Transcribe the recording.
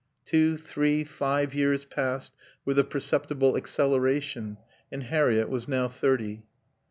Two, three, five years passed, with a perceptible acceleration, and Harriett was now thirty.